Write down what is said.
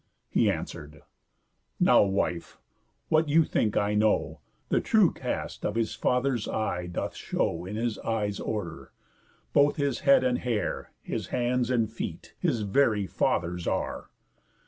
He answer'd: "Now wife, what you think I know, The true cast of his father's eye doth show In his eyes' order. Both his head and hair, His hands and feet, his very father's are.